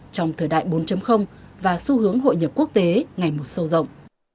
trong thời đại bốn và xu hướng hội nhập quốc tế ngày một sâu rộng